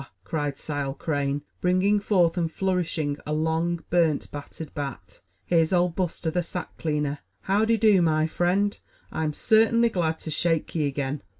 cried Sile Crane, bringing forth and flourishing a long, burnt, battered bat. "Here's Old Buster, the sack cleaner. Haowdy do, my friend? I'm sartainly glad to shake ye again."